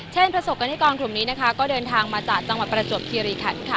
ประสบกรณิกรกลุ่มนี้นะคะก็เดินทางมาจากจังหวัดประจวบคิริขันค่ะ